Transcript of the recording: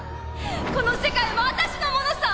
この世界も私のものさ！